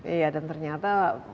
iya dan ternyata